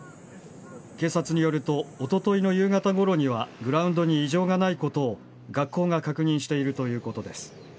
警察によるとおとといの夕方ごろにはグラウンドに異常がないことを学校が確認しているということです。